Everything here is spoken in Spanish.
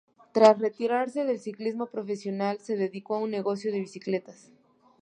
Tras retirarse del ciclismo profesional, se dedicó a un negocio de bicicletas.